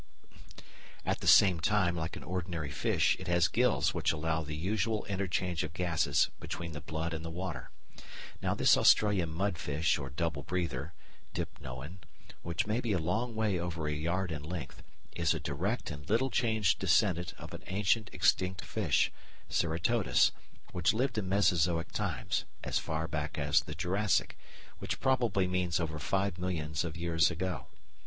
At the same time, like an ordinary fish, it has gills which allow the usual interchange of gases between the blood and the water. Now this Australian mudfish or double breather (Dipnoan), which may be a long way over a yard in length, is a direct and little changed descendant of an ancient extinct fish, Ceratodus, which lived in Mesozoic times, as far back as the Jurassic, which probably means over five millions of years ago.